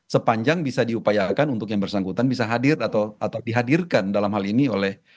sepanjang bisa diupayakan untuk yang bersangkutan bisa hadir atau dihadirkan dalam hal ini oleh